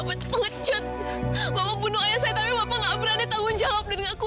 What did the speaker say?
kenapa kamu bersihkan seolah olah itu untuk hidup